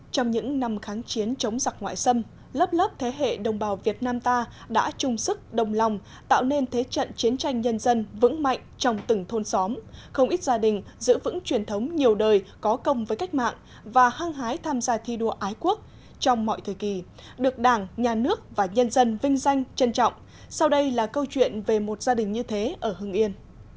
trong những năm kháng chiến chống giặc ngoại xâm lớp lớp thế hệ đồng bào việt nam ta đã chung sức đồng lòng tạo nên thế trận chiến tranh nhân dân vững mạnh trong từng thôn xóm không ít gia đình giữ vững truyền thống nhiều đời có công với cách mạng và hăng hái tham gia thi đua ái quốc trong mọi thời kỳ được đảng nhà nước và nhân dân vinh danh trân trọng sau đây là câu chuyện về một gia đình như thế ở hưng yên